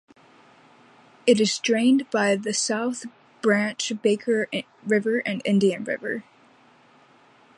It is drained by the South Branch Baker River and Indian River.